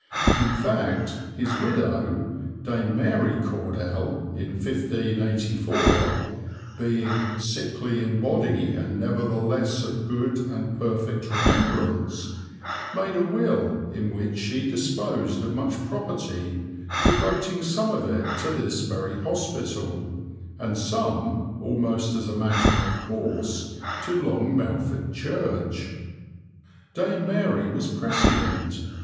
In fact, his widow, Dame Mary Cordell, in 1584, "being sikelye in body, and nevertheless of good and p'fecte remembrance," made a will in which she disposed of much property, devoting some of it to this very hospital, and some, almost as a matter of course, to Long Melford Church. Dame Mary was prescient.